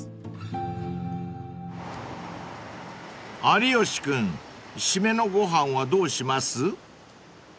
［有吉君締めのご飯はどうします？］